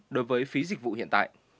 đối với phí dịch vụ hiện tại